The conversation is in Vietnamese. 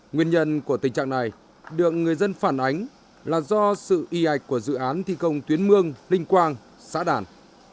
nguyên nhân của tình trạng này được người dân phản ánh là do sự y ạch của dự án thi công tuyến mương ninh quang xã đản